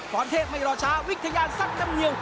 รเทพไม่รอช้าวิทยาซักน้ำเนียง